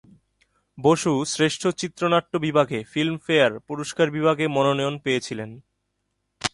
বসু শ্রেষ্ঠ চিত্রনাট্য বিভাগে ফিল্মফেয়ার পুরস্কার বিভাগে মনোনয়ন পেয়েছিলেন।